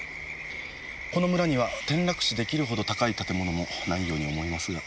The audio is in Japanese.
この村には転落死出来るほど高い建物もないように思いますが。